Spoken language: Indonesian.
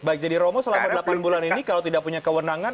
baik jadi romo selama delapan bulan ini kalau tidak punya kewenangan